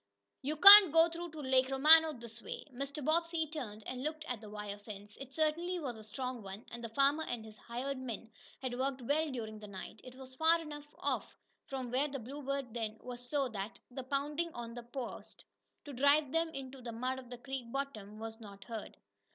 You can't go through to Lake Romano this way!" Mr. Bobbsey turned and looked at the wire fence. It certainly was a strong one, and the farmer and his hired men had worked well during the night. It was far enough off from where the Bluebird then was so that the pounding on the posts, to drive them into the mud of the creek bottom, was not heard.